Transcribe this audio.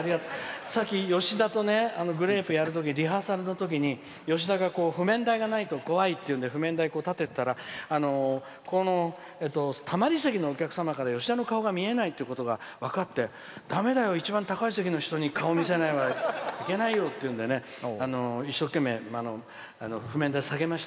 さっき、吉田とグレープやるときリハーサルするときに吉田が譜面台がないと怖いっていうんで譜面台を立ててたらこの、たまり席のお客様から吉田の顔が見えないっていうことが分かってだめだよ、一番高い席の人に顔を見せないといけないよっていうんで一生懸命、譜面台を下げました。